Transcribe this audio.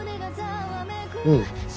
うん。